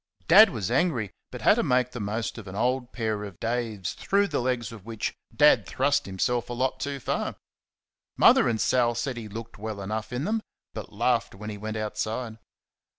Dad was angry, but had to make the most of an old pair of Dave's through the legs of which Dad thrust himself a lot too far. Mother and Sal said he looked well enough in them, but laughed when he went outside.